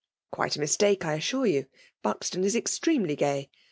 <' Quite a idistakej I Hfisure you ! ^Buxton is exitemely ga j.